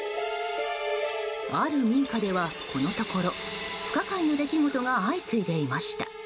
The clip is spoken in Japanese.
ある民家ではこのところ不可解な出来事が相次いでいました。